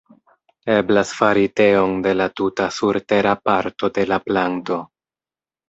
Eblas fari teon de la tuta surtera parto de la planto.